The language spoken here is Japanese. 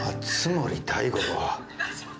お願いします。